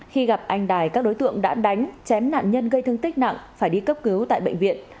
khi gặp anh đài các đối tượng đã đánh chém nạn nhân gây thương tích nặng phải đi cấp cứu tại bệnh viện